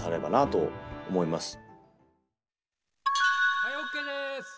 はいＯＫです！